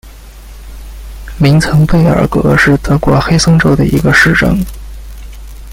明岑贝尔格是德国黑森州的一个市镇。